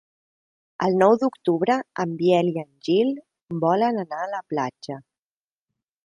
El nou d'octubre en Biel i en Gil volen anar a la platja.